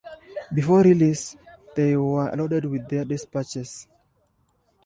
Before release, they were loaded with their despatches.